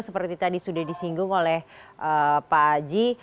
seperti tadi sudah disinggung oleh pak aji